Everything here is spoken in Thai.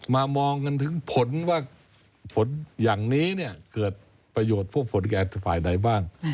มองกันถึงผลว่าผลอย่างนี้เนี่ยเกิดประโยชน์พวกผลแก่ฝ่ายไหนบ้าง